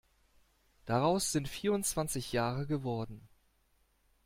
Daraus sind vierundzwanzig Jahre geworden.